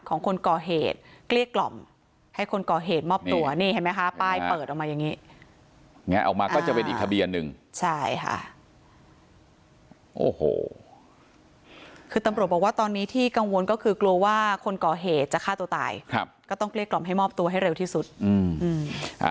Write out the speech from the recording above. ของคนก่อเหตุเกลี้ยกล่อมให้คนก่อเหตุมอบตัวนี่เห็นไหมคะป้ายเปิดออกมาอย่างงี้แงะออกมาก็จะเป็นอีกทะเบียนหนึ่งใช่ค่ะโอ้โหคือตำรวจบอกว่าตอนนี้ที่กังวลก็คือกลัวว่าคนก่อเหตุจะฆ่าตัวตายครับก็ต้องเกลี้ยกล่อมให้มอบตัวให้เร็วที่สุดอืมอ่า